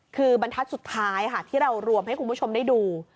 คือบรรทัศน์สุดท้ายค่ะที่เรารวมให้คุณผู้ชมได้ดู